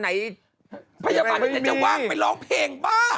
หรอล่ะ